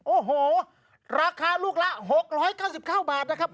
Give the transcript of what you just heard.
โอ้โหราคาลูกละ๖๙๙บาทนะครับ